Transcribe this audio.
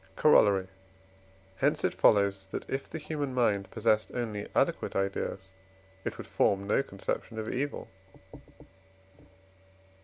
Corollary. Hence it follows that, if the human mind possessed only adequate ideas, it would form no conception of evil.